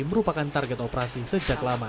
merupakan target operasi sejak lama